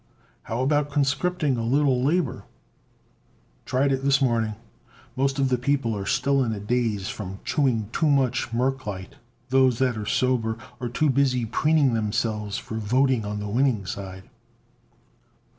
"How about conscripting a little labor?" "Tried it this morning. Most of the people are still in a daze from chewing too much merclite. Those that're sober are too busy preening themselves for voting on the winning side."